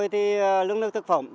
thì lương nước thực phẩm